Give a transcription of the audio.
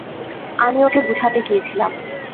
আমি ওকে বুঝাতে গিয়েছিলাম।